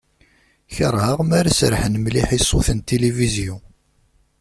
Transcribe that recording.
Kerheɣ mi ara serḥen mliḥ i ṣṣut n tilifizyu.